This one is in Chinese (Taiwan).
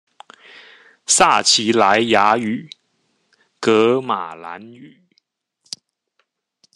撒奇萊雅語、噶瑪蘭語